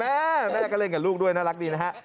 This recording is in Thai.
แม่แม่ก็เล่นกับลูกด้วยน่ารักดีนะฮะ